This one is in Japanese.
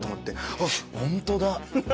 あっ本当だ。